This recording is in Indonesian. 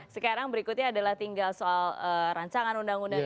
sekarang berikutnya adalah tinggal soal rancangan undang undang